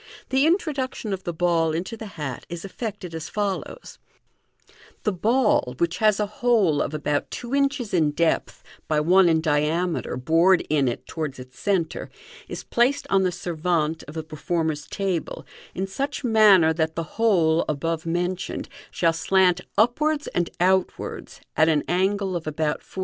The introduction of the ball into the hat is effected as follows: — The ball, which has a hole of about two inches in depth by one in diameter bored in it towards its centre, is placed on the servavte of thf performer's table in such manner that the hole above mentioned shall slant upwards and outwards, at ^n angle of about 450.